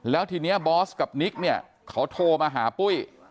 แล้วทีนี้บอสกับนิกเนี่ยเขาโทรมาหาปุ้ย